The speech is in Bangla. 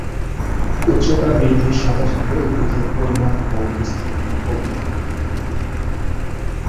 উচ্চতা বৃদ্ধির সাথে সাথে উদ্ভিদের পরিমাণ ও বিস্তৃতি কমতে থাকে।